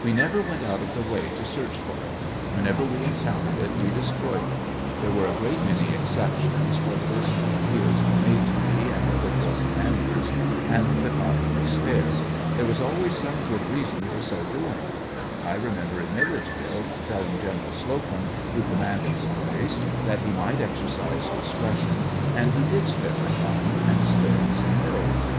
We never went out of the way to search for it ; whenever we encountered it we destroyed it; there were a great many exceptions, where personal appeals were made to me and other corps commanders, and the cotton was spared; there was always some good reason for so doing ; I remember in Milledgeville, telling Gen eral Slocum, who commanded the place, that he might 112 exercise discretion, and he did spare thie, cotton, and spared some mills.